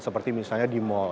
seperti misalnya di mall